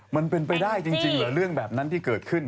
มันเป็นไปได้จริงเหรอเรื่องแบบนั้นที่เกิดขึ้น